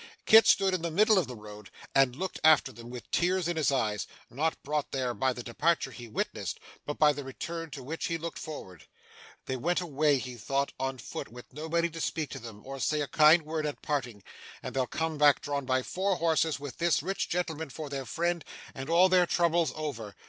Kit stood in the middle of the road, and looked after them with tears in his eyes not brought there by the departure he witnessed, but by the return to which he looked forward. 'They went away,' he thought, 'on foot with nobody to speak to them or say a kind word at parting, and they'll come back, drawn by four horses, with this rich gentleman for their friend, and all their troubles over!